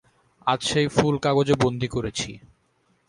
আজ সেই ফুল কাগজে বন্দি করেছি।